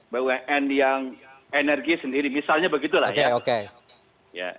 bumn yang energi sendiri misalnya begitulah ya